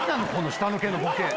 下の毛のボケ。